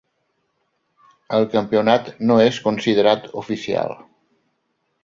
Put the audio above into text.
El campionat no és considerat oficial.